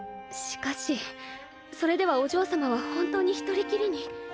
しかしそれではお嬢様は本当に一人きりに。